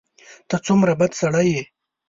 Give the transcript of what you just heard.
ته څومره بد سړی یې !